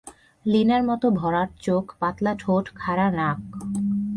লীনার মতো ভরাট চোখ, পাতলা ঠোঁট, খাড়া নাক।